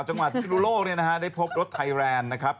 ช่วงหน้าค่ะ